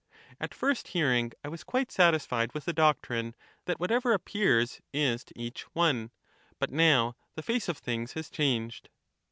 At first hearing, I was quite satisfied with of Protago the doctrine, that whatever appears is to each one, but now ras' theory, ^j^^ ^^^^ ^f things has changed.